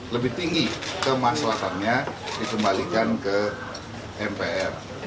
lebih tinggi kemaslahannya dikembalikan ke mpr